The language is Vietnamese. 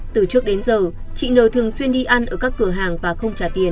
từ trước đến giờ chị nờ thường xuyên đi ăn ở các cửa hàng và không trả tiền